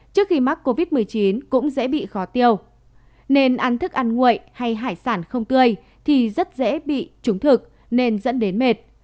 trước khi mắc covid một mươi chín cũng dễ bị khó tiêu nên ăn thức ăn nguội hay hải sản không tươi thì rất dễ bị trúng thực nên dẫn đến mệt